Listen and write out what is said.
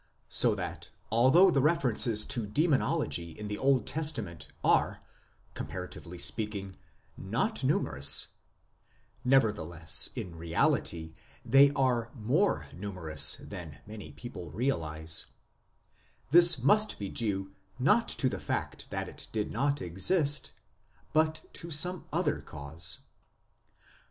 So that although the references to Demonology in the Old Testament are, comparatively speaking, not numerous (nevertheless, in reality, they are more numerous than many people realize), this must be due not to the fact that it did not exist, but to some other cause.